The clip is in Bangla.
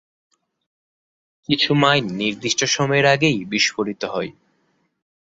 কিছু মাইন নির্দিষ্ট সময়ের আগেই বিস্ফোরিত হয়।